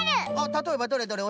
たとえばどれどれ？